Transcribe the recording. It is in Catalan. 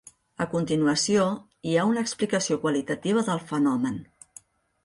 A continuació hi ha una explicació qualitativa del fenomen.